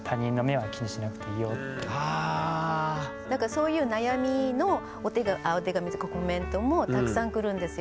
そういう悩みのお手紙とかコメントもたくさん来るんですよ。